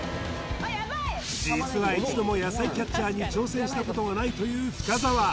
実は一度も野菜キャッチャーに挑戦したことがないという深澤